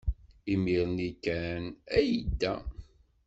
Imir-nni kan ay yedda.